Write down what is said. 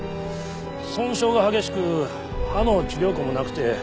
損傷が激しく歯の治療痕もなくて。